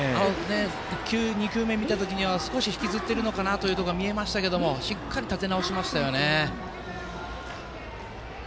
１球、２球目を見た時には少し引きずっているのかなと見えましたがしっかり立て直しましたよね。